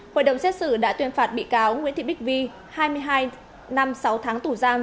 hội đồng xét xử đã tuyên phạt bị cáo nguyễn thị bích vi hai mươi hai năm sáu tháng tù giam